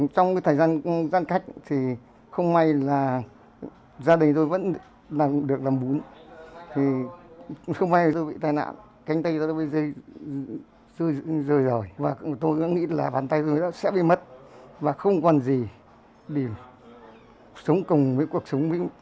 trong thời gian gian khách không may là gia đình tôi vẫn làm được làm bún không may là tôi bị tai nạn cánh tay tôi rời rời tôi nghĩ là bàn tay tôi sẽ bị mất và không còn gì để sống cùng với cuộc sống đầy đủ tay chân